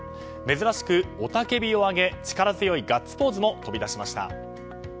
珍しく雄たけびを上げ、力強いガッツポーズも飛び出しました。